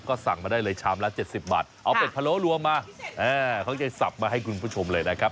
ก็สั่งมาได้เลยชามละ๗๐บาทเอาเป็ดพะโล้รวมมาเขาจะสับมาให้คุณผู้ชมเลยนะครับ